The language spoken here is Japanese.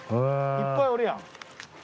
いっぱいおるやん。